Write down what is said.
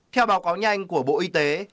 theo báo cáo nhanh của bộ y tế